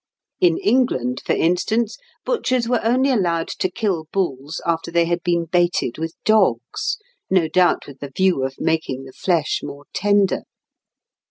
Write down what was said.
In England, for instance, butchers were only allowed to kill bulls after they had been baited with dogs, no doubt with the view of making the flesh more tender.